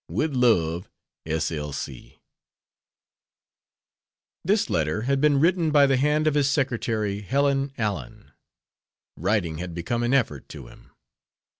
With love, S. L. C. This letter had been written by the hand of his "secretary," Helen Allen: writing had become an effort to him.